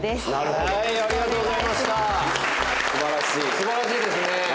素晴らしいですね。